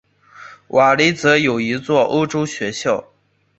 瓦雷泽有一座欧洲学校。